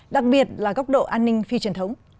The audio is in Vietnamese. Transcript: đặc biệt là góc độ an ninh phi truyền thống